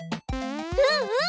うんうん！